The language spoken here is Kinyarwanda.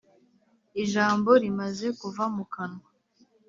ijambo rimaze kuva mu kanwa,